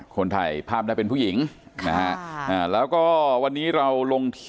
คนถ่ายภาพได้เป็นผู้หญิงนะฮะแล้วก็วันนี้เราลงที่